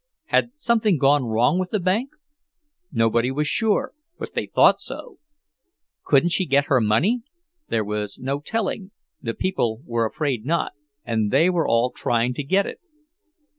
Had something gone wrong with the bank? Nobody was sure, but they thought so. Couldn't she get her money? There was no telling; the people were afraid not, and they were all trying to get it.